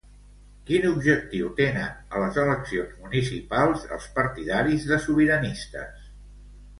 Quin objectiu tenen a les eleccions municipals els partidaris de Sobiranistes?